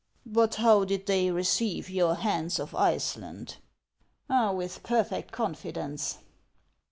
" But how did they receive your Hans of Iceland ?"" With perfect confidence."